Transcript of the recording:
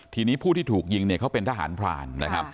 ทีนี้ผู้ที่ถูกยิงเขาเป็นทหารพราน